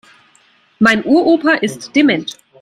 Mein Uropa ist dement.